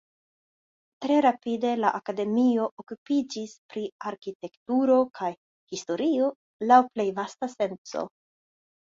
Tre rapide, la Akademio okupiĝis pri arkitekturo kaj historio laŭ plej vasta senco.